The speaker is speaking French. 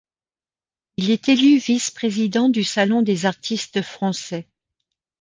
Il est élu vice-président du Salon des artistes français.